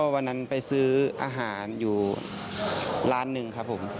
วันนั้นไปซื้ออาหารอยู่ล้านหนึ่งครับผม